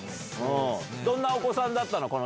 どんなお子さんだったの？